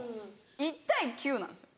１対９なんですよ